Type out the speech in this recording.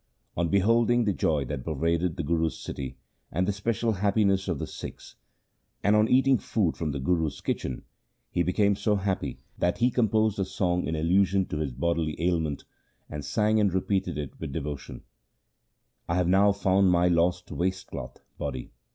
On beholding the joy that pervaded the Guru's city and the special happiness of his Sikhs, and on eating food from the Guru's kitchen, he became so happy that he composed a song in allusion to his bodily ailment, and sang and repeated it with devotion :— I have now found my lost waist cloth (body)